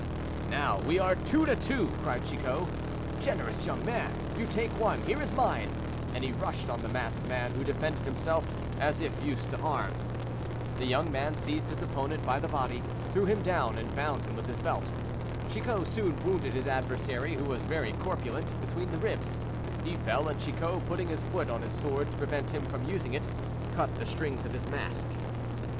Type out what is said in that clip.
"Now we are two to two," cried Chicot; "generous young man, you take one, here is mine," and he rushed on the masked man, who defended himself as if used to arms. The young man seized his opponent by the body, threw him down, and bound him with his belt. Chicot soon wounded his adversary, who was very corpulent, between the ribs; he fell, and Chicot, putting his foot on his sword to prevent him from using it, cut the strings of his mask.